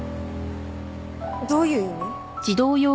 どういう意味？